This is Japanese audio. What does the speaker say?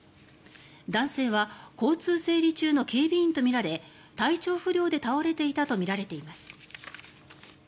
男性は交通整理中の警備員とみられ体調不良で倒れていたとみられています。